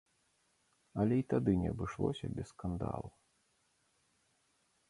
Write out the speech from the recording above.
Але і тады не абышлося без скандалу.